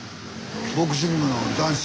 ボクシングの男子。